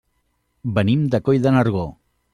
Venim de Coll de Nargó.